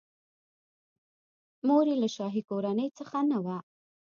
مور یې له شاهي کورنۍ څخه نه وه.